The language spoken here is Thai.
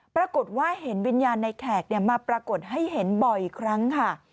ปรากฏว่าเห็นวิญญาณในแขกมาปรากฏให้เห็นบ่อยครั้งค่ะ